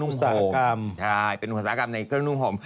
อุตสาหกรรม